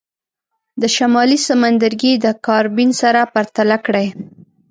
د شمالي سمندرګي د کارابین سره پرتله کړئ.